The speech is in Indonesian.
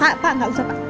pak pak nggak usah pak